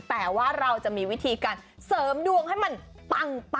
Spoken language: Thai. แต่ว่าเราจะมีวิธีการเสริมดวงให้มันปัง